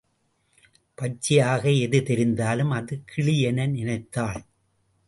பச்சையாக எது தெரிந்தாலும் அது கிளி என நினைத்தாள்.